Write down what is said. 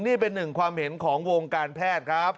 นี่เป็นหนึ่งความเห็นของวงการแพทย์ครับ